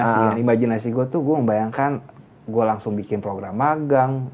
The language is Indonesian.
dan imajinasi gue tuh gue membayangkan gue langsung bikin program magang